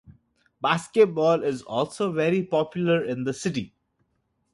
Basketball is also very popular in the city.